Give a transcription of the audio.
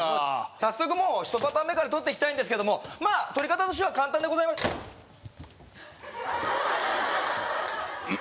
早速もう１パターン目から録っていきたいんですけどもまあ録り方としては簡単でございまん？